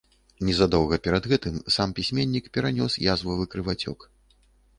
Незадоўга перад гэтым сам пісьменнік перанёс язвавы крывацёк.